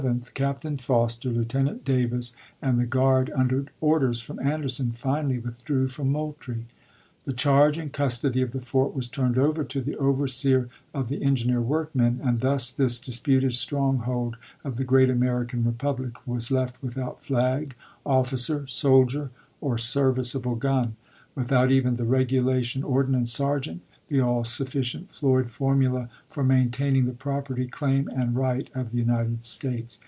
noon of the 27th, Captain Foster, Lieutenant Davis, and the guard, under orders from Anderson, finally withdrew from Moultrie. The charge and custody of the fort was turned over to the overseer of the en gineer workmen, and thus this disputed stronghold of the great American Republic was left without flag, officer, soldier, or serviceable gun — without even the regulation ordnance sergeant, the all suf ficient Floyd formula for maintaining the property claim and right of the United States.